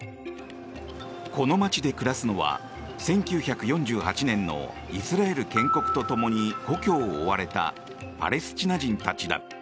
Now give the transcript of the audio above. この街で暮らすのは１９４８年のイスラエル建国と共に故郷を追われたパレスチナ人たちだ。